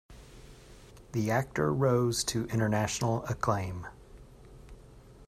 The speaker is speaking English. The actor rose to international acclaim.